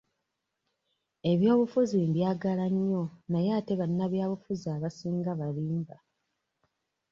Ebyobufuzi mbyagala nnyo naye ate bannabyabufuzi abasinga balimba.